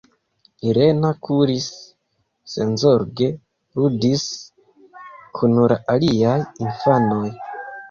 Irena kuris, senzorge ludis kun la aliaj infanoj.